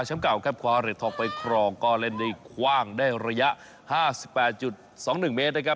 แชมป์เก่าขวาเหรียญทองไปครองก็เล่นในคว่างได้ระยะ๕๘๒๑เมตร